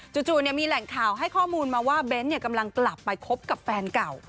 จู่มีแหล่งข่าวให้ข้อมูลมาว่าเบ้นกำลังกลับไปคบกับแฟนเก่า